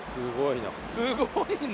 すごいな。